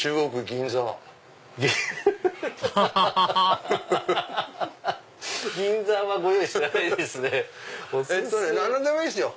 銀座はご用意してないですね。